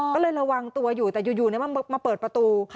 ก็เลยระวังตัวอยู่แต่อยู่มาเปิดประตู